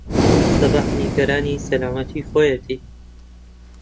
سەباح نیگەرانی سەلامەتیی خۆیەتی.